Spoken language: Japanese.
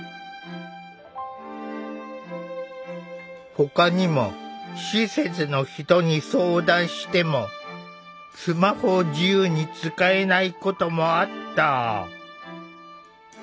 ほかにも施設の人に相談してもスマホを自由に使えないこともあった。